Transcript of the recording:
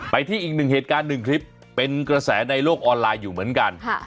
ที่อีกหนึ่งเหตุการณ์หนึ่งคลิปเป็นกระแสในโลกออนไลน์อยู่เหมือนกัน